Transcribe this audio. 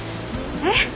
えっ？